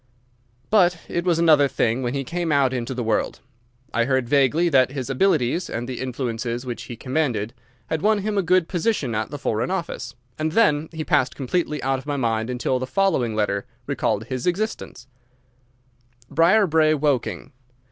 But it was another thing when he came out into the world. I heard vaguely that his abilities and the influences which he commanded had won him a good position at the Foreign Office, and then he passed completely out of my mind until the following letter recalled his existence: Briarbrae, Woking.